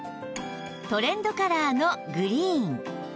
トレンドカラーのグリーン